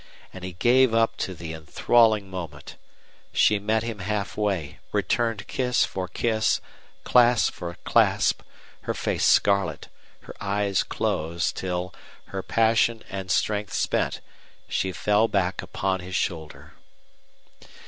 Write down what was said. And he gave up to the enthralling moment. She met him half way, returned kiss for kiss, clasp for clasp, her face scarlet, her eyes closed, till, her passion and strength spent, she fell back upon his shoulder.